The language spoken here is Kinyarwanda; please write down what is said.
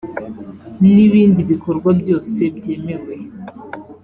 n ibindi bikorwa byose byemewe